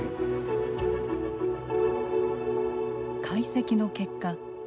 解析の結果